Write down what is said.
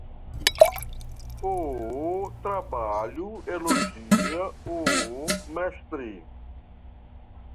O trabalho elogia o mestre.